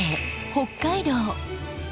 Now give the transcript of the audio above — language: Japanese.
北海道。